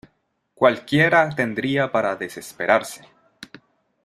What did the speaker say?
¡ cualquiera tendría para desesperarse!